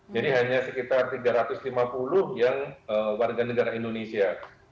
jadi hanya sekitar tiga ratus lima puluh yang warga negara indonesia